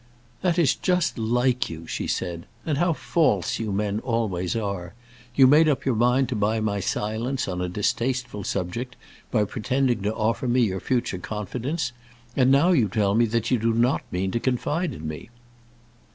"That is just like you," she said. "And how false you men always are. You made up your mind to buy my silence on a distasteful subject by pretending to offer me your future confidence; and now you tell me that you do not mean to confide in me."